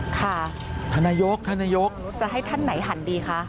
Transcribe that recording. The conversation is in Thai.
ข้าถนนายกถนนายกจะให้ธานาหร่ายหันดีคะ